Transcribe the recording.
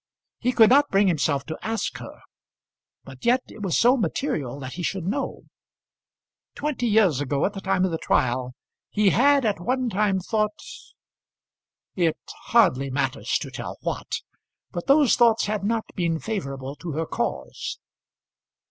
He could not bring himself to ask her, but yet it was so material that he should know! Twenty years ago, at the time of the trial, he had at one time thought, it hardly matters to tell what, but those thoughts had not been favourable to her cause.